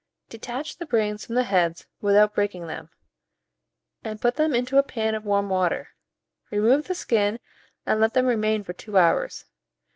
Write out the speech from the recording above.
Detach the brains from the heads without breaking them, and put them into a pan of warm water; remove the skin, and let them remain for two hours.